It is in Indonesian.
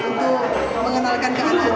untuk mengenalkan ke anak anak makna natal